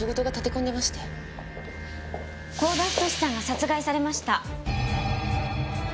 甲田太さんが殺害されました。